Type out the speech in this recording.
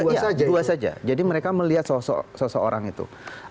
iya dua saja jadi mereka melihat seseorang itu